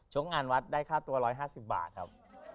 งานวัดได้ค่าตัว๑๕๐บาทครับ